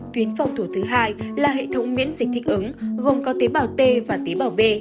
tuyến phòng thủ thứ hai là hệ thống miễn dịch thích ứng gồm có tế bào t và tế bào b